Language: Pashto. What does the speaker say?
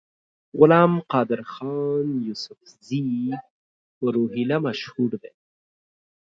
غلام قادرخان یوسفزي په روهیله مشهور دی.